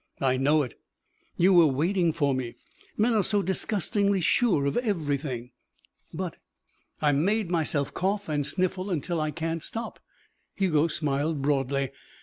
"I know it." "You were waiting for me! Men are so disgustingly sure of everything!" "But " "I've made myself cough and sniffle until I can't stop." Hugo smiled broadly.